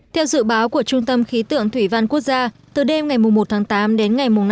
theo dự báo của trung tâm khí tượng thủy văn quốc gia từ đêm ngày một tháng tám đến ngày năm